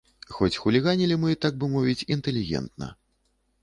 Хоць хуліганілі мы, так бы мовіць, інтэлігентна.